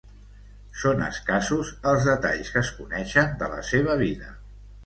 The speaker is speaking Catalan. Són escassos els detalls que es coneixen de la seva vida.